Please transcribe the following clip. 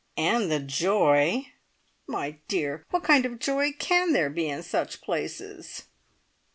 "And the joy!" "My dear, what kind of joy can there be in such places?"